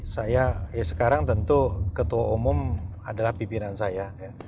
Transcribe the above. saya ya sekarang tentu ketua umum adalah pimpinan saya